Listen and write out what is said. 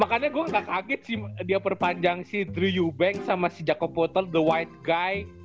makanya gue nggak kaget sih dia perpanjang si drew eubanks sama si jakob votel the white guy